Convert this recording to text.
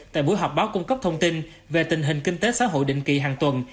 tại buổi họp báo cung cấp thông tin về tình hình kinh tế xã hội định kỳ hàng tuần